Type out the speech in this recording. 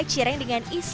ada pula cireng dengan isi